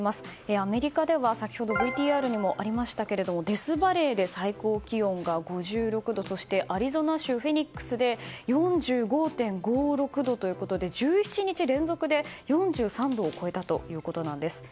アメリカでは先ほどＶＴＲにもありましたがデスバレーで最高気温が５６度としてアリゾナ州フェニックスで４５．５６度ということで１７日連続で４３度を超えたということなんです。